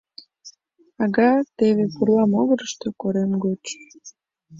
Ага, теве, пурла могырышто, корем гоч.